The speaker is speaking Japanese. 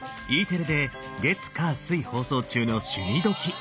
Ｅテレで月火水放送中の「趣味どきっ！」。